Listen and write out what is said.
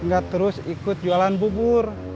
enggak terus ikut jualan bubur